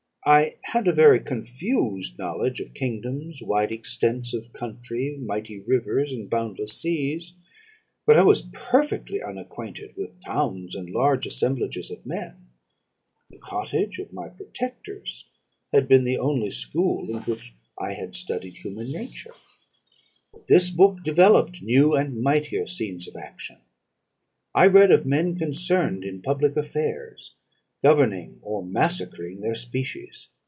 I had a very confused knowledge of kingdoms, wide extents of country, mighty rivers, and boundless seas. But I was perfectly unacquainted with towns, and large assemblages of men. The cottage of my protectors had been the only school in which I had studied human nature; but this book developed new and mightier scenes of action. I read of men concerned in public affairs, governing or massacring their species.